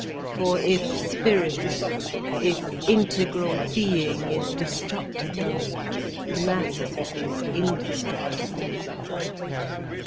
For if spirit, if integral being is destructible, Matter is indestructible.